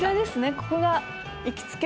ここが。